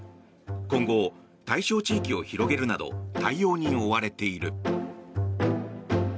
今後、対象地域を広げるなど対応に追われている。